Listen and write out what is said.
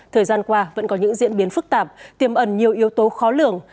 thời gian qua vẫn có những diễn biến phức tạp tiềm ẩn nhiều yếu tố khó lường